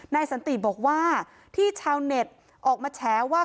สันติบอกว่าที่ชาวเน็ตออกมาแฉว่า